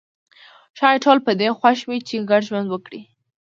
ښايي ټول په دې خوښ وي چې ګډ ژوند وکړي.